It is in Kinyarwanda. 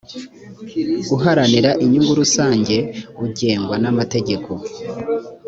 uharanira inyungu rusange ugengwa n amategeko